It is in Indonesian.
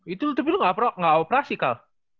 itu terbunyuh gak operasi kahl